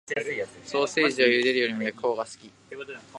ソーセージは茹でるより焼くほうが好き